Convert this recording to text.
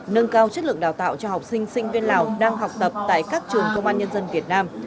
nâng cao chất lượng đào tạo cho học sinh sinh viên lào đang học tập tại các trường công an nhân dân việt nam